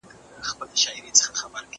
پلان جوړ کړه؟